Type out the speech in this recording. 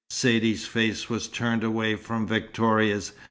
Saidee's face was turned away from Victoria's.